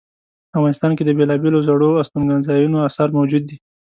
افغانستان کې د بیلابیلو زړو استوګنځایونو آثار موجود دي